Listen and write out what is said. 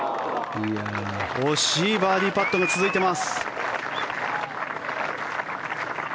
惜しいバーディーパットが続いています。